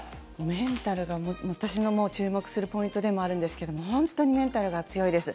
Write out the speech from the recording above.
メンタルが、私の注目するポイントでもあるんですけど本当にメンタルが強いです。